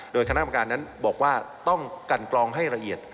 โดยคณะกรรมการนั้นบอกว่าต้องกันกรองให้ละเอียด